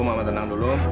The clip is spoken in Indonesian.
mama tenang dulu